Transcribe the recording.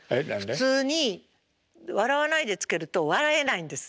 普通に笑わないでつけると笑えないんです。